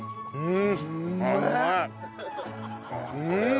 うん！